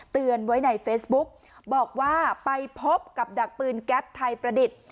เตือนไว้ในเฟซบุ๊กบอกว่าไปพบกับดักปืนแก๊ปไทยประดิษฐ์